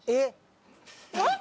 えっ！